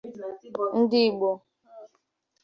Ndi Igbo